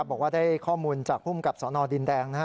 บอกว่าได้ข้อมูลจากภูมิกับสนดินแดงนะฮะ